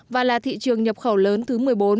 và là thị trường nhập khẩu lớn thứ một mươi bốn